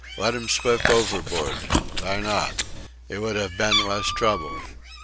Let 'im slip overboard.... Vy not? It would 'ave been less trouble.